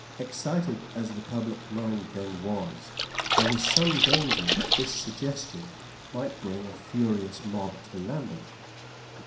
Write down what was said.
Excited as the public mind then was, there was some danger that this suggestion might bring a furious mob to Lambeth.